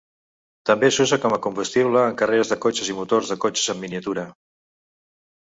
També s'usa com combustible en carreres de cotxes i motors de cotxes en miniatura.